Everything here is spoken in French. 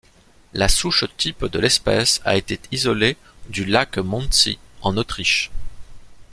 La souche type de l'espèce a été isolée du lac de Mondsee en Autriche.